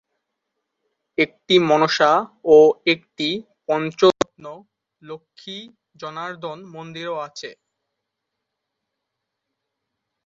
একটি মনসা ও একটি "পঞ্চরত্ন" লক্ষ্মী-জনার্দন মন্দিরও আছে।